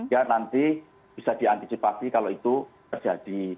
ya nanti bisa diantisipasi kalau itu terjadi